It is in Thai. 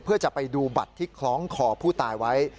เพื่อจะไปดูบัตรที่คล้องคอผู้ตายไว้